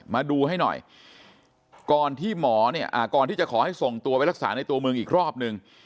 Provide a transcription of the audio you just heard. มาดูให้หน่อยก่อนที่จะขอให้ส่งตัวไปรักษาในตัวมึงอีกรอบหนึ่ง